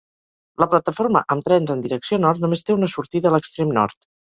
La plataforma amb trens en direcció nord només té una sortida a l'extrem nord.